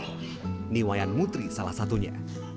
ini wayan mutri salah satunya